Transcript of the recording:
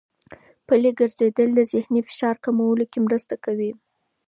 پلي ګرځېدل د ذهني فشار په کمولو کې مرسته کوي.